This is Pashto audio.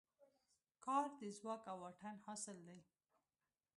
کار د ځواک او واټن حاصل دی.